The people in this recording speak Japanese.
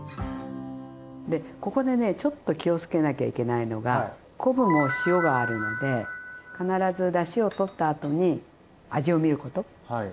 ここでねちょっと気をつけなきゃいけないのが昆布も塩があるので必ずだしを取ったあとに味を見ること。